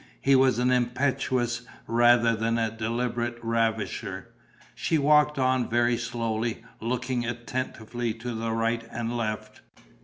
He was an impetuous rather than a deliberate ravisher. She walked on very slowly, looking attentively to right and left.